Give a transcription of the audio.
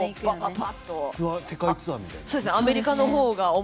世界ツアーみたいな？